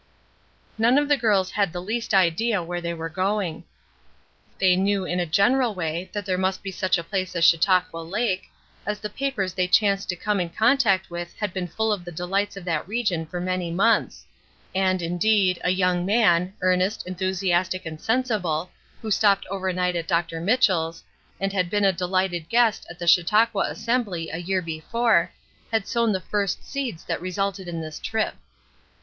None of the girls had the least idea where they were going. They knew, in a general way, that there must be such a place as Chautauqua Lake, as the papers that they chanced to come in contact with had been full of the delights of that region for many months; and, indeed, a young man, earnest, enthusiastic and sensible, who stopped over night at Dr. Mitchell's, and had been a delighted guest at the Chautauqua Assembly a year before, had sown the first seeds that resulted in this trip.